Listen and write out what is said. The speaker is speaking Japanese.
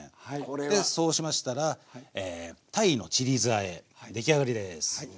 でそうしましたら鯛のちり酢あえ出来上がりです。